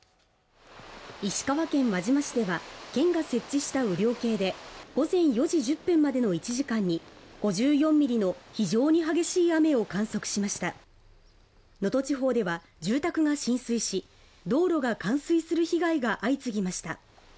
石川県輪島市では県が設置した雨量計で午前４時１０分までの１時間に５４ミリの非常に激しい雨を観測しました能登地方では住宅が浸水し道路が冠水する被害が相次ぎました